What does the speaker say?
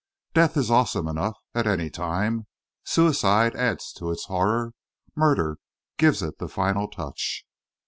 Death is awesome enough at any time; suicide adds to its horror; murder gives it the final touch.